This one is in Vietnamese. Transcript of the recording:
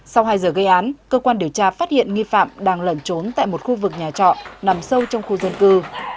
sau hai giờ gây án cơ quan điều tra phát hiện nghi phạm đang lẩn trốn tại một khu vực nhà trọ nằm sâu trong khu dân cư